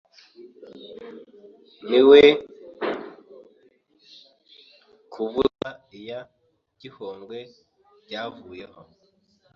ni we kuvuza iya Gihogwe byavuyeho